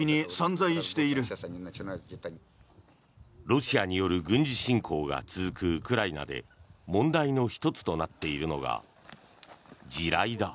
ロシアによる軍事侵攻が続くウクライナで問題の１つとなっているのが地雷だ。